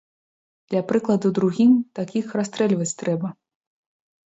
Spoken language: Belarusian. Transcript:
Для прыкладу другім такіх расстрэльваць трэба!